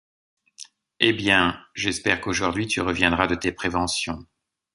Eh bien! j’espère qu’aujourd’hui tu reviendras de tes préventions.